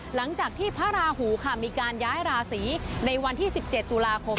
หลังจากที่พระราหูค่ะมีการย้ายราศีในวันที่๑๗ตุลาคม